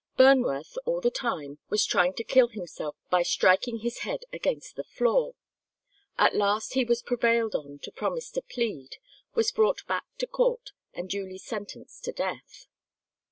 Burnworth, all the time, was trying to kill himself by striking his head against the floor. At last he was prevailed on to promise to plead, was brought back to court, and duly sentenced to death.